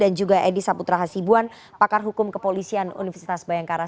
dan juga pak edi saputra hasibuan pakar hukum kepolisian universitas bayangkara